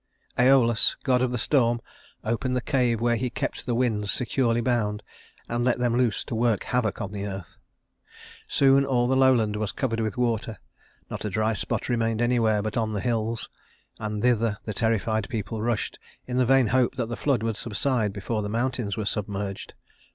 Æolus, god of the storm, opened the cave where he kept the winds securely bound, and let them loose to work havoc on the earth. Soon all the lowland was covered with water; not a dry spot remained anywhere but on the hills, and thither the terrified people rushed in the vain hope that the flood would subside before the mountains were submerged.